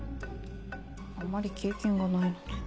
あんまり経験がないので。